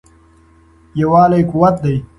یووالی قوت دی.